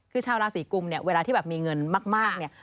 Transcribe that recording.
คือชาวราศีกุมเนี่ยเวลาที่แบบมีเงินมากเนี่ย